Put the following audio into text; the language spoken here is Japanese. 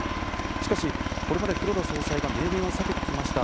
しかし、これまで黒田総裁が明言を避けてきました